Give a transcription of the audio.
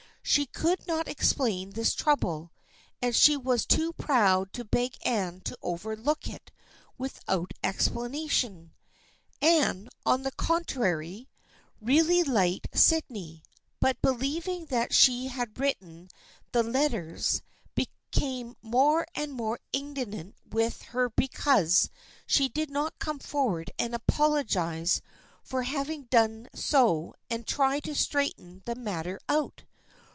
She could not explain this trouble, and she was too proud to beg Anne to overlook it without explanation. Anne, on the contrary, really liked Sydney, but believing that she had written the letters, became more and more indignant with her because she did not come forward and apologize for having done so and try to straighten the mat ter out.